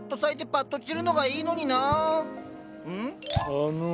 あの。